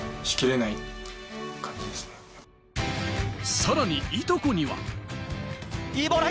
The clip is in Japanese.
さらに、いとこには。